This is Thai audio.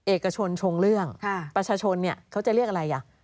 เอกชนชงเรื่องประชาชนเนี่ยเขาจะเรียกอะไรอ่ะ